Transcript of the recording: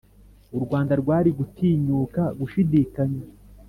u rwanda rwari gutinyuka gushidikanya